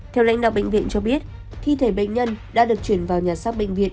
theo lãnh đạo bệnh viện cho biết thi thể bệnh nhân đã được chuyển vào nhà xác bệnh viện